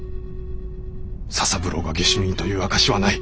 「佐三郎が下手人という証しはない。